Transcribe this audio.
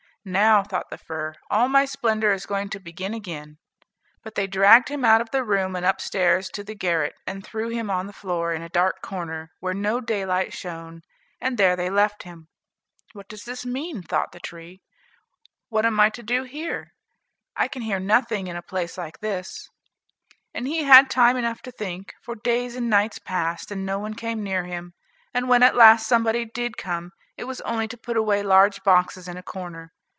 "Now," thought the fir, "all my splendor is going to begin again." But they dragged him out of the room and up stairs to the garret, and threw him on the floor, in a dark corner, where no daylight shone, and there they left him. "What does this mean?" thought the tree, "what am I to do here? I can hear nothing in a place like this," and he had time enough to think, for days and nights passed and no one came near him, and when at last somebody did come, it was only to put away large boxes in a corner.